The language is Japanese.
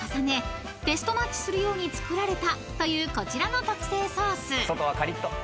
ベストマッチするように作られたというこちらの特製ソース］